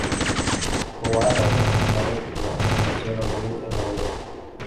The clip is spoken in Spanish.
Proaza fue condenado por la Inquisición a morir en la hoguera.